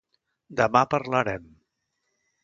Demà parlarem.